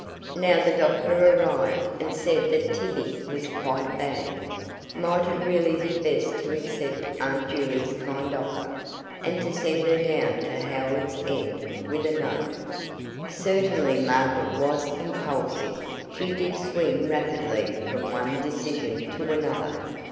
Now the doctor arrived, and said that Tibby was quite bad. Might it really be best to accept Aunt Juley's kind offer, and to send her down to Howards End with a note? Certainly Margaret was impulsive. She did swing rapidly from one decision to another.